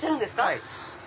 はい。